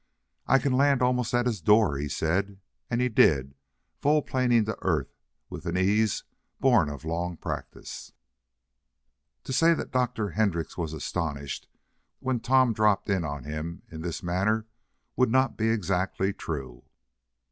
"I can land almost at his door," he said, and he did, volplaning to earth with an ease born of long practice. To say that Dr. Hendrix was astonished when Tom dropped in on him in this manner, would not be exactly true.